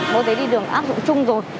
mẫu giấy đi đường áp dụng chung rồi